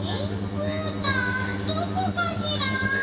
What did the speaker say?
うーたんどこかしら？